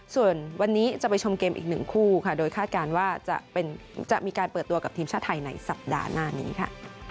ส่วนวันนี้จะไปชมเกมอีกหนึ่งคู่ค่ะโดยคาดการณ์ว่าจะมีการเปิดตัวกับทีมชาติไทยในสัปดาห์หน้านี้ค่ะ